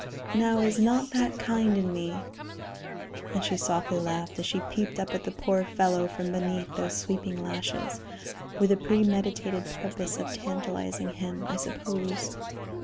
Now is not that kind in me?" And she softly laughed as she peeped up at the poor fellow from beneath those sweeping lashes, with the premeditated purpose of tantalizing him, I suppose.